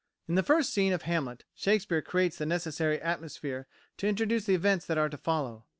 In the first scene of Hamlet, Shakespeare creates the necessary atmosphere to introduce the events that are to follow.